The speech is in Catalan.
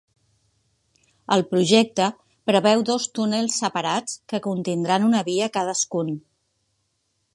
El projecte preveu dos túnels separats que contindran una via cadascun.